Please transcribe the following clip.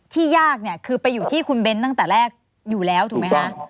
ยากเนี่ยคือไปอยู่ที่คุณเบ้นตั้งแต่แรกอยู่แล้วถูกไหมคะ